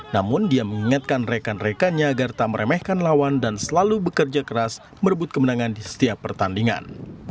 namun dia mengingatkan rekan rekannya agar tak meremehkan lawan dan selalu bekerja keras merebut kemenangan di setiap pertandingan